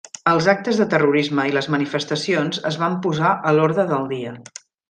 Els actes de terrorisme i les manifestacions es van posar a l'orde del dia.